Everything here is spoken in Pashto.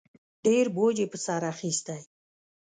ډېر بوج یې په سر اخیستی